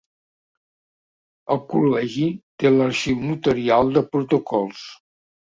El Col·legi té l'arxiu notarial de protocols.